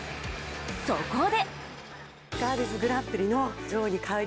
そこで。